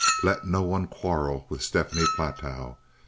Let no one quarrel with Stephanie Platow.